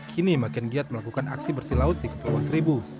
kini makin giat melakukan aksi bersih laut di kepulauan seribu